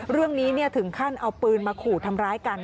เรื่องนี้ถึงขั้นเอาปืนมาขู่ทำร้ายกัน